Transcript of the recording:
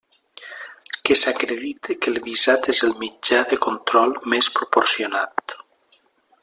Que s'acredite que el visat és el mitjà de control més proporcionat.